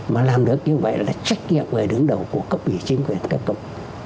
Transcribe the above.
mà làm được như vậy là trách nhiệm người đứng đầu của cấp ủy chính quyền các cấp